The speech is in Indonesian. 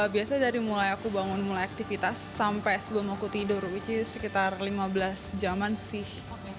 biasa dari mulai aku bangun mulai aktivitas sampai sebelum aku tidur which is sekitar lima belas jaman sih